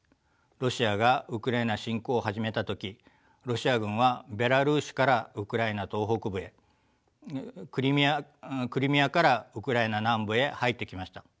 ロシアがウクライナ侵攻を始めた時ロシア軍はベラルーシからウクライナ東北部へクリミアからウクライナ南部へ入ってきました。